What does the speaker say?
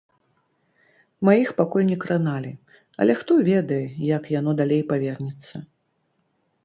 Маіх пакуль не краналі, але хто ведае, як яно далей павернецца.